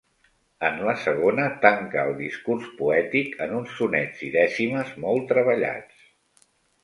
En la segona, tanca el discurs poètic en uns sonets i dècimes molt treballats.